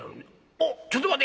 あっちょっと待て。